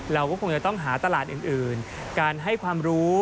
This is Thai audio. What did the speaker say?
เราก็คงจะต้องหาตลาดอื่นการให้ความรู้